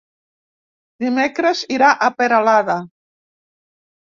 Dimecres irà a Peralada.